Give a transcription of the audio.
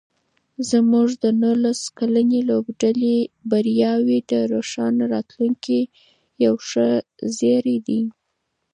زموږ د نولس کلنې لوبډلې بریاوې د روښانه راتلونکي یو ښه زېری دی.